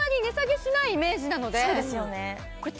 そうですよね